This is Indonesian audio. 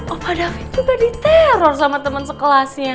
opa david juga diteror sama temen sekelasnya